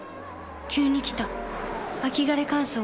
急に来た秋枯れ乾燥。